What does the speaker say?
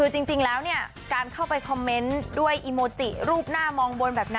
จริงการเข้าไปคอมเมนต์ด้วยอีโมจิรูปหน้ามองบน